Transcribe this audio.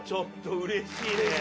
うれしいね。